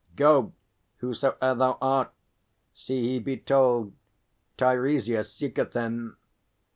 Go, whosoe'er thou art. See he be told Teiresias seeketh him.